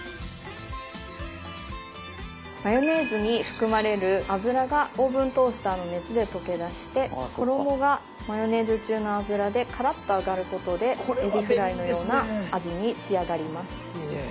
マヨネーズに含まれる油がオーブントースターの熱で溶け出して衣がマヨネーズ中の油でカラッと揚がることでえびフライのような味に仕上がります。